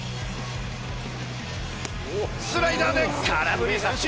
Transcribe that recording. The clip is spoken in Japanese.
スライダーで空振り三振。